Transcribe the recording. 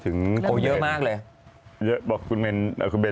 แต่มันจะทำให้ฝุ่นตกลงมาที่ดิน